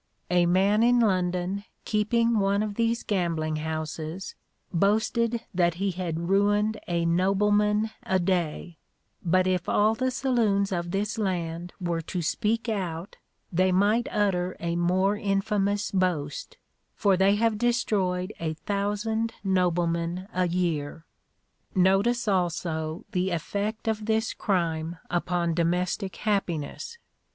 A man in London keeping one of these gambling houses boasted that he had ruined a nobleman a day; but if all the saloons of this land were to speak out, they might utter a more infamous boast, for they have destroyed a thousand noblemen a year. Notice also the effect of this crime upon domestic happiness.